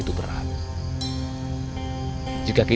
apakah ada badai